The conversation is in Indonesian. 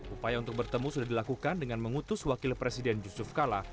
upaya untuk bertemu sudah dilakukan dengan mengutus wakil presiden yusuf kala